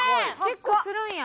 結構するんや。